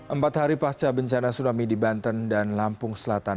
empat hari pasca bencana tsunami di banten dan lampung selatan